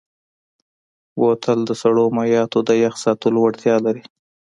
بوتل د سړو مایعاتو د یخ ساتلو وړتیا لري.